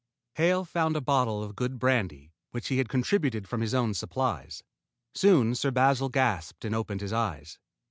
Hale found a bottle of good brandy which he had contributed from his own supplies. Soon Sir Basil gasped and opened his eyes.